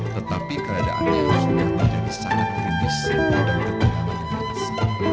tetapi keadaannya sudah menjadi sangat kritis